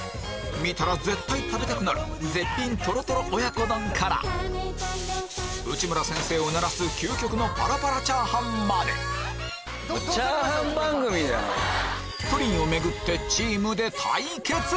見たら絶対食べたくなる絶品とろとろ親子丼から内村先生をうならす究極のパラパラチャーハンまでプリンを巡ってチームで対決！